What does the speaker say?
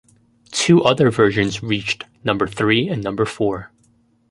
Two other versions reached number three and number four.